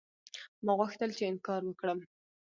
ما غوښتل چې انکار وکړم.